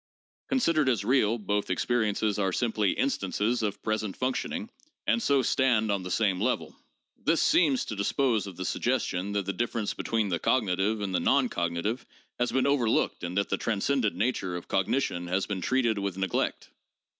Considered as real, both experiences are simply instances of present functioning, and so stand on the same level. This seems to dispose of the suggestion that the difference be tween the cognitive and the non cognitive has been overlooked and that the transcendent nature of cognition has been treated with neglect.